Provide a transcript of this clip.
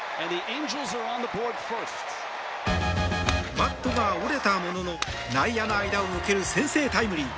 バットが折れたものの内野の間を抜ける先制タイムリー。